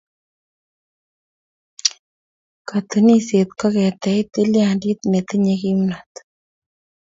Katunisyet ko ketech tilyandit netinyei kimnon.